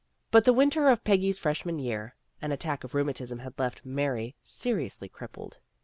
But the winter of Peggy's Freshman year, an attack of rheu matism had left Mary seriously crippled.